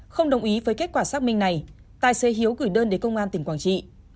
không đồng ý với kết quả xác minh này tài xế hiếu gửi đơn đến công an tỉnh quảng trị